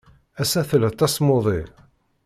Ass-a tella tasmuḍi.